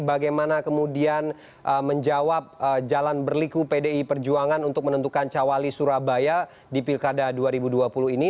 bagaimana kemudian menjawab jalan berliku pdi perjuangan untuk menentukan cawali surabaya di pilkada dua ribu dua puluh ini